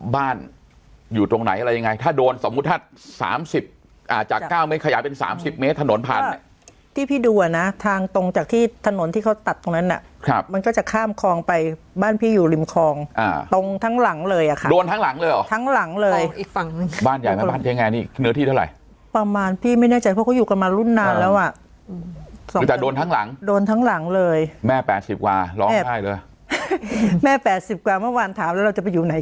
บ้านอยู่ตรงไหนอะไรยังไงถ้าโดนสมมุติถ้าสามสิบอ่าจากเก้าไม่ขยายเป็นสามสิบเมตรถนนผ่านที่พี่ดูอ่ะน่ะทางตรงจากที่ถนนที่เขาตัดตรงนั้นน่ะครับมันก็จะข้ามคลองไปบ้านพี่อยู่ริมคลองอ่าตรงทั้งหลังเลยอ่ะค่ะโดนทั้งหลังเลยเหรอทั้งหลังเลยอีกฝั่งบ้านใหญ่บ้านบ้านยังไงนี่เนื้อที่เท่าไรประมาณพี่ไม